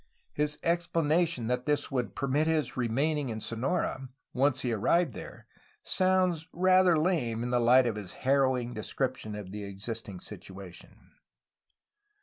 His explanation that this would permit of his remaining in Sonora, once he arrived there, sounds rather lame in the light of his harrowing description of the existing situation.